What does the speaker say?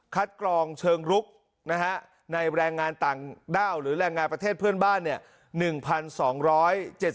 กรองเชิงรุกนะฮะในแรงงานต่างด้าวหรือแรงงานประเทศเพื่อนบ้านเนี่ย